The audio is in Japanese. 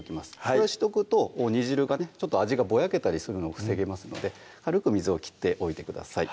これしておくと煮汁がね味がぼやけたりするのを防げますので軽く水をきっておいてください